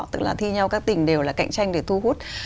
tức là thi nhau các tỉnh đều là cạnh tranh để thu hút